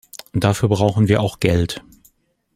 Dafür brauchen wir auch Geld.